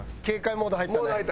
モード入ったね。